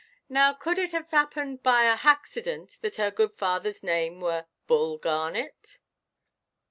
Now, could it 'ave 'appened by a haxident that her good fatherʼs name were Bull Garnet?"